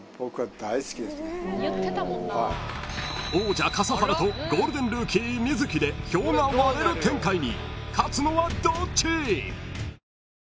［王者笠原とゴールデンルーキー実月で票が割れる展開に］